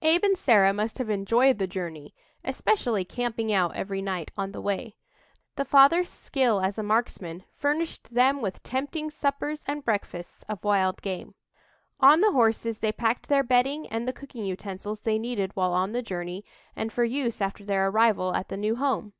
Abe and Sarah must have enjoyed the journey, especially camping out every night on the way. The father's skill as a marksman furnished them with tempting suppers and breakfasts of wild game. On the horses they packed their bedding and the cooking utensils they needed while on the journey, and for use after their arrival at the new home.